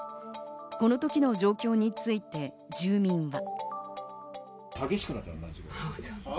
この時の状況について住民は。